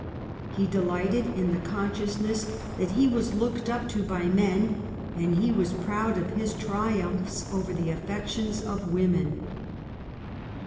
He delighted in the consciousness that he was looked up to by men, and he was proud of his triumphs over the affections of women.